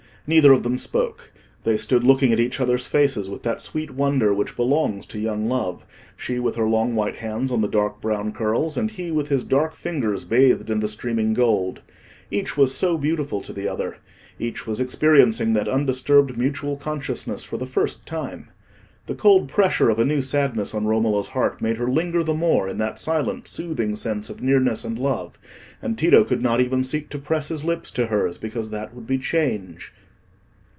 Neither of them spoke; they stood looking at each other's faces with that sweet wonder which belongs to young love—she with her long white hands on the dark brown curls, and he with his dark fingers bathed in the streaming gold. Each was so beautiful to the other; each was experiencing that undisturbed mutual consciousness for the first time. The cold pressure of a new sadness on Romola's heart made her linger the more in that silent soothing sense of nearness and love; and Tito could not even seek to press his lips to hers, because that would be change.